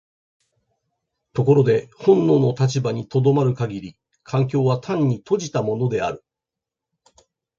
ところで本能の立場に止まる限り環境は単に閉じたものである。